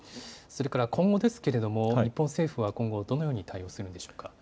今後ですが日本政府は今後どのように対応するんでしょうか。